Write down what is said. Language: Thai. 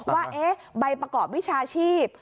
ว่าใบประกอบวิชาชีพ